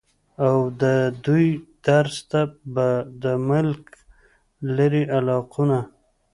اود دوي درس ته به د ملک د لرې علاقو نه